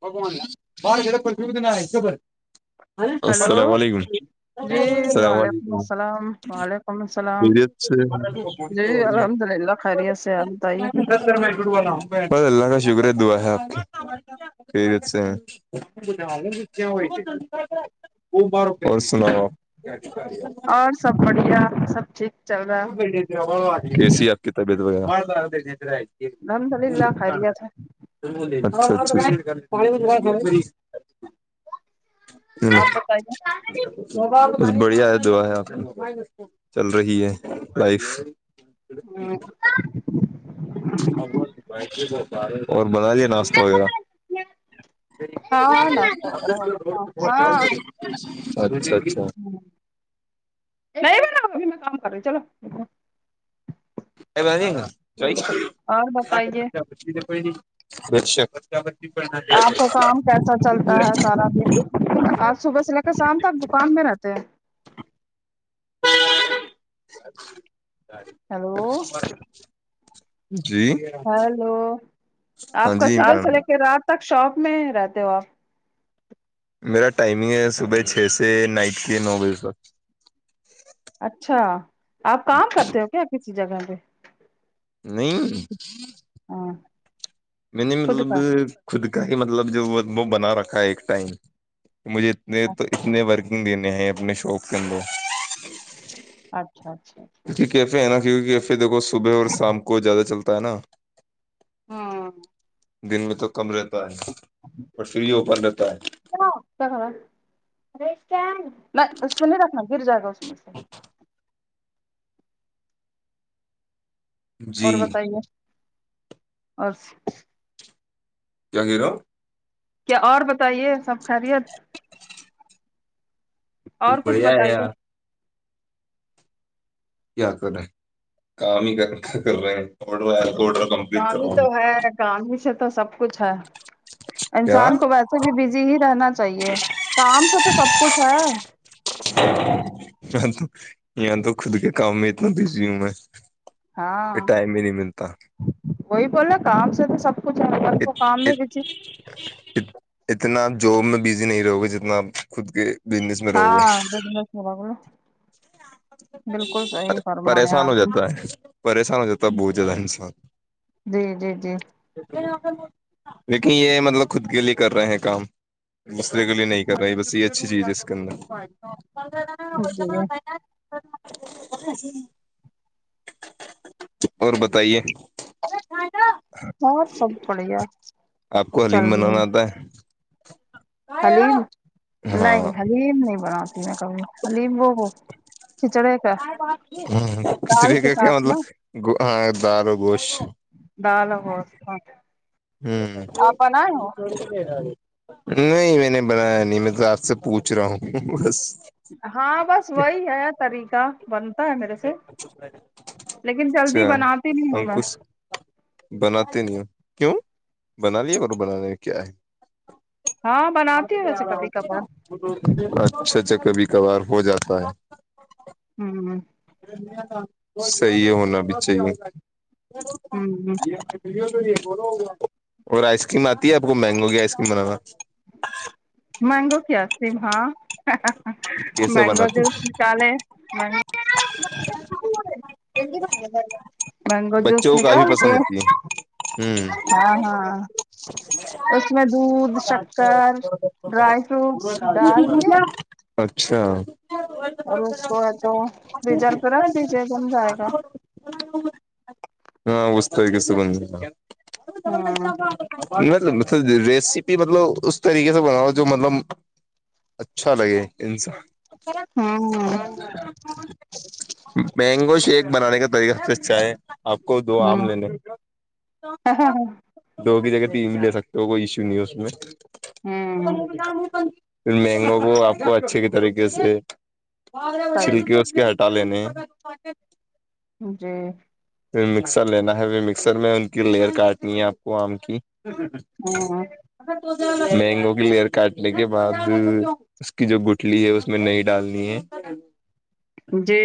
بگوان [unintelligible] hello السلام علیکم جی اللام وعلیکم علیکم السلام وعلیکم السلام خیریت سے جی الحمد للہ خیریت سے آپ بتائیے بس اللہ کا شکر ہے دعا ہے آپ کی خیریت سے کیا اور سناؤ آپ کیا چل رہا ہے اور سب بڑھیا سب ٹھیک چل رہا کیسی آپ کی طبیت وغیرہ ہے، الحمد للہ خیریت ہے [unintelligible] [unintelligible] چلو [unintelligible] بڑھیا ہے دعا ہے آپ چل رہی ہے لائف [unintelligible] اور بنا لیا ناشتہ وغیرہ ہاں ناشتہ وغیرہ ہوگا ہاں ہاں [inaudible] نہیں میں ن ہو میں کام کر رہی چلو [unintelligible] گا اور بتائیے [unintelligible] آپ کا کام کیسا چلتا ہے سارا دن آج صبح سے لے کر شام ت آ کام میں رہتے ہیں ہیلو جی ہیلو ہاں آپ کا جی صبح میم سے لے کے رات تک شاپ میں رہتے ہو آپ میرا ٹائمنگ ہے صبح چھ سے نائٹ کے نو بجے تک اچھا آپ کام کرتے ہو کیا کسی جگہ پہ نہیں ہاں [unintelligible] میں نے خود مطلب کا خود کا ہی مطلب جو وہ بنا رکھا ہے ایک ٹائم مجھے نہیں تو اتنے ورکنگ دینے ہیں اپنے شاپ کے اندر [unintelligible] اچھا اچھا جے کیفے ہے نا کیکہ کیفے دیکو صبح اور شام کو زیادہ چلتا ہے نا ہاں دن میں تو کم رہتا ہے ب فری ہی اوپن رہتا ہے کیاا اس میں نہیں رکھنا گر جائے گا اس میں سے [inaudible] [inaudible] جی اور بتائیے اور [unintelligible] گیر [unintelligible] کیا اور بتائیے سب خیریت اور بہت کچھ بڑھیا ہے بتائیے یار کیا کر رہے کام ہی کر رہے ہیںورو کم [unintelligible] کامی تو ہے کامی سے تو سب کچھ ہے کیا انسان کو وس [unintelligible] سے بھی بزی ہی رہنا چاہیے کام سے تو سب کچھ ہے تو یہ تو خود کے کام میں اتنا بزی ہوں میں [unintelligible] یہ ہاں ٹائم بھی نہیں ملتا [unintelligible] وہی بول رہ کام سے تو سب کچھ ہے ب کو کام میں بیچے [unintelligible] اتنا آپ جاب میں بزی نہیں رہو گے جتنا آپ خود کے بزنس میں رہو گے ا دس بگول [unintelligible] پریشان ہو نے جاتا ہے پریشان ہو جاتا ہے بہت زیادہ انسان جی جی جی لیکن یہ مطلب خود کے لیے کر رہے ہیں کام مسئرے کے لیے نہیں کر رہا بس یہ اچھی چیز ہے اس کے اندر جی اور بتائیے اور سب بڑھیا آپ کو چل حلیم رہی بنانا آتا ہے حلیم نہیں ہاں حلیم نہیں بناتی میں کبھی حلیم وہ ہو چچڑ ہے کا [unintelligible] ہ ک دال کے طقے کیا ساتھ نا مطلب ہاں دار و گوشت [unintelligible] دال ہو [unintelligible] ہ آپ بنائے تھوڑیا [unintelligible] نہیں میں نے بنایا نہیں میں تو آپ سے پوچھ رہا ہوں بس [unintelligible] ہاں بس وہی ہے طریقہ بنتا ہے میرے سے اچھا لیکن جلدی بناتی نہیں ہوں ہم میں کچھ بناتے نہیں کیوں بنا لے اور بنانے کیا ہے؟ [unintelligible] ہاں بناتی تو ہوں جا ویسے کبھی ہ کبھار ن [unintelligible] اچھا اچھا کبھی کبھار ہو جاتا ہے ہوں [unintelligible] صیح ہونا بھی چاہیے ہوں اور آئس کریم آتی ہے آپ کو مینگو کی آئس کریم بنانا مینگو کی آئس کریم ہاں کیسے مینگو بناتے جس ہیں؟ نیکلے مینگو جوس بچوں کو کافی نکل دی پسند ہوتی ہے ہاں ہاں اس میں دھد ہ شکر ڈرائی فروٹس ڈال کے اچھا اور اس کو ہے تو بیزار پ رکھ دیجیے بن جائے گا ہاں اس طرکے سے ہوں ط ریسیپی مطلب اس طریقے سے بناؤ جو مطلب س لگےانس ہوں مینگوز شک بنانے کا طریقہ سے چ ہے آپ کو دو آم لینے ہاں ہاں ہاں دو بھی جگہ تین بھی لے سکتے ہو کوئی ایشو نہیں اس میں ہوں پھر مینگو کو آپ کو اچھے طریقے سے صحیح چھلکی اس کے ہ ہتا لینے ے جی مکسر لینا ہےپھر مکسر میں ان کی لیئر کاٹنی ہے آپ کو آم کی ہو ہو مینگو کی لیئر کاٹنے کے بعد اس کی جو گٹلی ہے اس میں نہیں ڈالنی ہے جی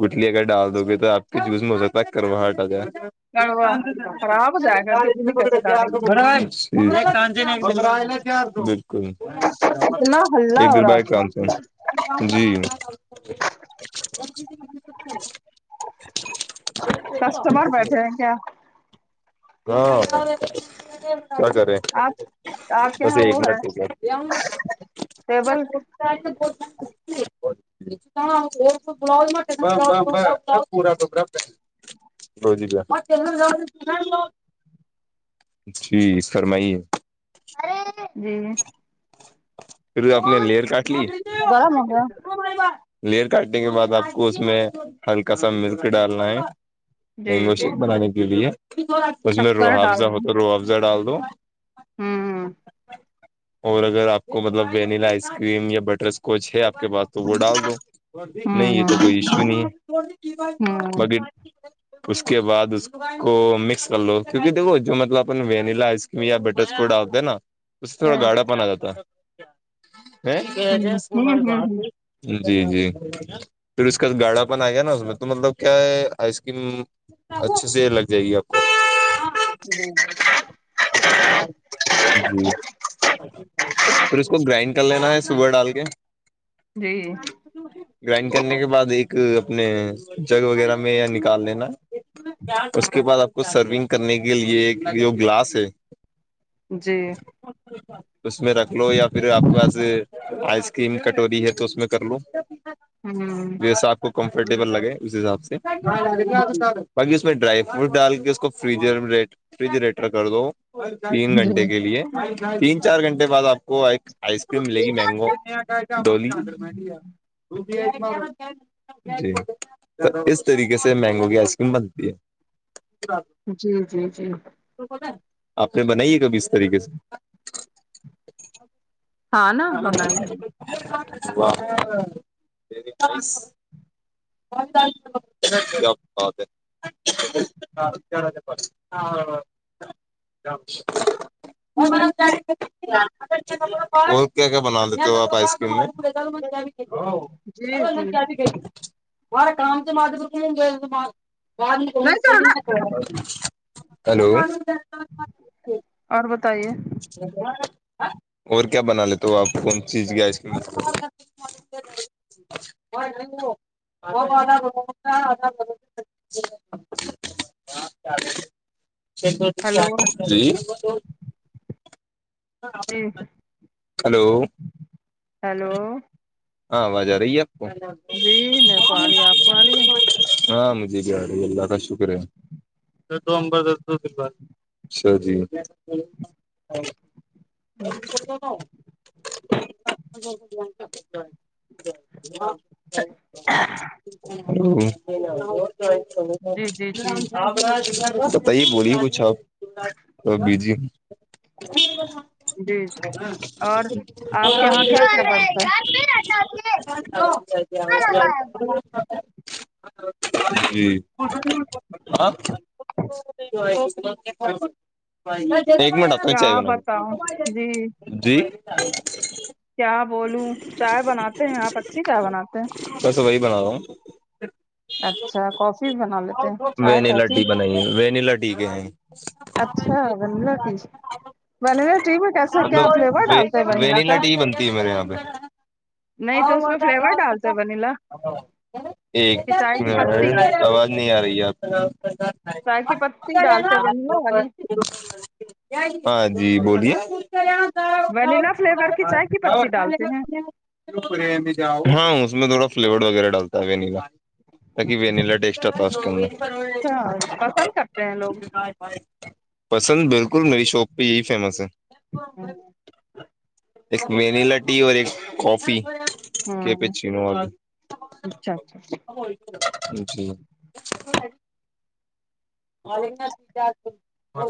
گٹلی اگر ڈال دو گے تو آپ کے جوز میں ہو سکتا ہے کرواہٹ آ جائے کڑوا خراب ہو جائے گا کتنی کیسے پکے آ ڈالیں گے با [unintelligible] سانجے نہیں کیا [unintelligible] اتنا ہلہ ایک د ہو رہا بع آپ کا کرانتا ہیں جی اور ج س [unintelligible] کسٹمر بیٹھے ہیں کیا [unintelligible] ہاں سکے آپ آپ [unintelligible] کے بس یہاں ایک وہ ہے منٹ یک ٹیبل ب س ب م [unintelligible] پورا توبر ر جی گ جی فرمائیے ارے جی پھر آپ نے لئر کاٹ لی گرم ہو گیا لیئر کاٹنے کے بعد آپ کو اس میں ہلکا سا ملک ڈالنا ہے جی مینگو جی شیک جی بنانے کے لیے اس میں روح شکر افزہ ڈالنا ہوتا روح افزا ڈال دو ہوں ہوں اور اگر آپ کو مطلب وینیلا آئس کریم یا بٹر اسکوچ ہے آپ کے پاس تو وہ ڈال دو نہیں یہ ہوں تو ہوں کوئی ایشو نہیں بقی اس کے بعد اس کو مکس کر لو کیونکہ دیکھو جو مطلب اپن وینیلا ہے اس کہ یہ بٹر اسکوٹا ہوتا ہے نا اسس سے تھوڑا ہوں گاڑا پن آ جاتا ہ کہجس ماری ہوں ہوں بات ت ہ [unintelligible] جی جی پھر اس کا گاڑا پن آ گیا نا اس میں تو مطلب کیا ہے آئس کریم اچھے سے لگ جائے گی آپ کو جی [unintelligible] جی پھر اس کو گرائنڈ کر لینا ہےشوگر ڈال کے جی گرائنڈ کرنے کے بعد ایک اپنے جگ وغیرہ میں یا نکال لینا اس ہاں کے بعد آپ کو سرونگ کرنے کے لئے ایک جو گلاس ہے جی اس میں رکھ لو یا پھر آپ کو پاس آئس کریم کٹوری ہے تو اس میں کر لو ہوں جیسا آپ کو کمفرٹیبل لگے اس حساب سے جی باقی اس میں ڈرائی فروٹ ڈال کے اس کو ف فجریٹر کر دو تین جی گھنٹے کے لیے تین چار گھنٹے بعد آپ وہ آئس کریم ملے گی مینگو ڈو ہوتا جی س اس طریقے سے مینگو کی آئس کریم بنتی ہے جی جی جی آپ نے بنائی ہے کبھی اس طریقے سے اب ہاں نا بنائی ہ ک اںا داں وہ ب کیا کیا بنا دیتے ہو آپ آئس کرم جی جی ہمارا کام تو ماتم گ وار کو نہیں سر نا اور بتائیے اور کیا بنا لیتے تو آپ کون چیز گ اس کی وہ ب ہاں چ تو کیا ہیلو یھ سر ہلو ہیلو ہاں آواز آ رہی ہے آپ کو جی میرے کو آ رہی ہے آپ کو آ رہی ہاں مجھے ب رہی ہے اللہ کا شکر ہے دو اومبر دو د بارا جی اچ ہوں جاں ھم جی جی جی بتائی بولیے کچھ آپ تو بیجی ہ جی اور آپ کے یہاں کیا کیا ج بنتا ہے ا ا ج جی آ ایک مڈم کیا بتاؤ جی جی کیا بولوں چائے بناتے ہیں آپ اچھی چائے بناتے ہیں بس وہی بنا رہا ہوں اچھا کافی بھی بنا لیتے ہیں چائے ونیلا کافی ٹی بنائیے ونیلاٹی ٹھیک ہے ج اچھا ونیلا ٹی ونیلا ٹی میں کیسے مطلب کیا فلیور ڈالتے ہیں ونیلا وینلا کا ٹی بنتی ہے میرے یہاں پہ نہیں تو اس میں فلیور ڈالتے ہیں ونیلا ایک کہ چائے کی پتی آواز نہیں آ رہی آپ چائے کی پتی ڈالتے بن نا والی ہاں جی بولیے ونیلا فلیور کی چائے کی پتی ڈالتے ہیں ہاں اس میں تھوڑا فلیور وغیرہ ڈالتا ہے ونیلا تق وینلا ڈ ایکسٹا پاس کر پسند کرتے ہیں لوگ پسند بالکل میری شاپ پہ یہی فیمس ہے ایک وینلا ٹی اور ایک کافی کہ پہ ہوں چھی ن آ اچھا اچھا جی میک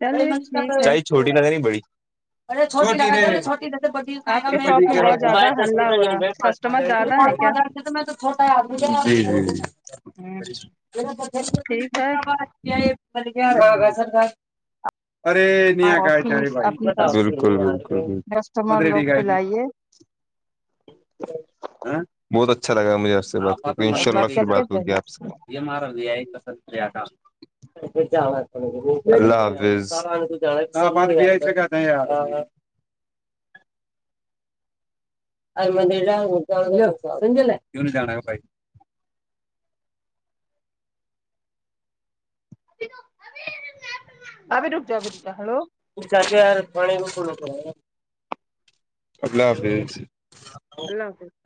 چلیے ٹھیک ہے ن چھوٹی نظر نہیں بڑی اور آپ کے شاپ میں بہت وا زیادہ ہلہ ہو رہا کسٹمر زیادہ ہے کیا [unintelligible] ٹھیک ہے کیا ملے کیا گ سر کا ارے نیا گائے تارے آفس بھ اپنے بالکل بکل مت کسٹمر ریڈی لوگ پہ گائے لائیے بہت اچھا لگا مجھے اس سے بع ان شاء اللہ پھر کر کے بات ہوگی دینا آپ سے یہارا پند تھا اللہ حافظ مار سے گ نہیں ا مو ج ابرک ابرچ ہلو سچے ار پ کر الہافظ [unintelligible]